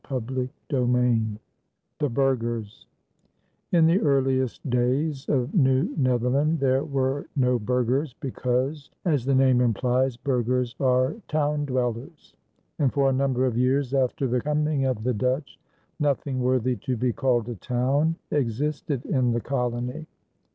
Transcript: CHAPTER VI THE BURGHERS In the earliest days of New Netherland there were no burgers because, as the name implies, burghers are town dwellers, and for a number of years after the coming of the Dutch nothing worthy to be called a town existed in the colony.